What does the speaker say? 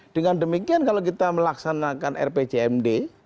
dengan demikian kalau kita melaksanakan rpjmd